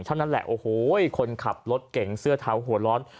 เท่านั้นแหละโอ้โหคนขับรถเก่งเสื้อเท้าหัวร้อน